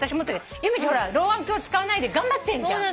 由美ちゃん老眼鏡使わないで頑張ってんじゃん。